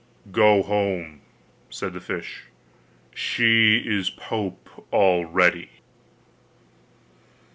'Go home,' said the fish; 'she is pope already.